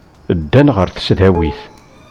Ddan ɣer tesdawit.